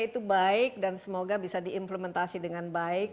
itu baik dan semoga bisa diimplementasi dengan baik